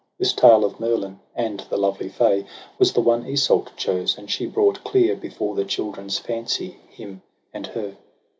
This tale of Merlin and the lovely fay Was the one Iseult chose, and she brought clear Before the children's fancy him and her.